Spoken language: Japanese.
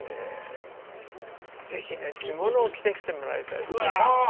ぜひ着物を着てきてもらいたいって。